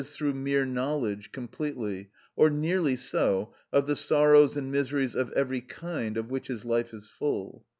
_, through mere knowledge, completely, or nearly so, of the sorrows and miseries of every kind of which his life is full.